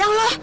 eh ya allah